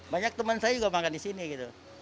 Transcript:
banyak temen saya juga makan disini gitu